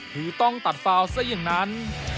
คือต้องตัดฟาวซะอย่างนั้น